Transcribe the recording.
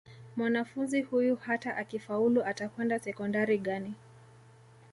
mwanafunzi huyu hata akifaulu atakwenda sekondari gani